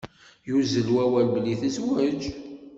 Yuzzel wawal belli tezweǧ.